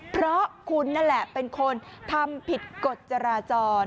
เพราะคุณนั่นแหละเป็นคนทำผิดกฎจราจร